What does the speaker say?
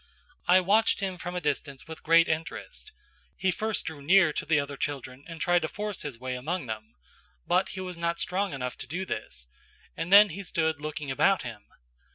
I watched him from a distance with great interest; he first drew near to the other children and tried to force his way among them, but he was not strong enough to do this, and he then stood looking about him.